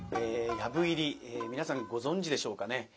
藪入り皆さんご存じでしょうかね。